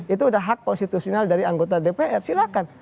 itu sudah hak konstitusional dari anggota dpr silahkan